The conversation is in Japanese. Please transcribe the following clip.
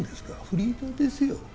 フリーターですよ。